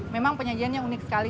memang penyajiannya unik sekali